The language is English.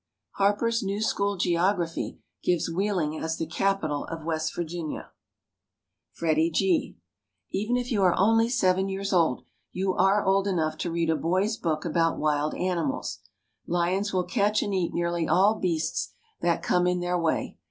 Harper's new School Geography gives Wheeling as the capital of West Virginia. FREDIE G. Even if you are only seven years, you are old enough to read a boys' book about wild animals. Lions will catch and eat nearly all beasts that come in their way.